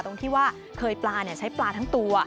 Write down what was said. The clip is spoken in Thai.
ตรงที่ว่าเคยปลาใช้ปลาทั้งตัว